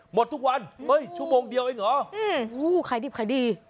หมดทุกวันเฮ้ยชั่วโมงเดียวเองเหรออื้อใครดีใครดี